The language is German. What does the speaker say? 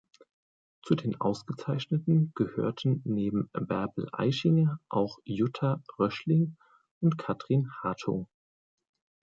Zu den Ausgezeichneten gehörten neben Bärbel Aichinger auch Jutta Röchling und Katrin Hartung.